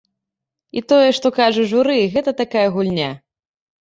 І тое, што кажа журы, гэта такая гульня!